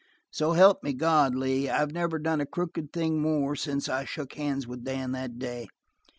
"So help me God, Lee, I've never done a crooked thing more since I shook hands with Dan that day."